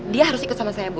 dia harus ikut sama saya bu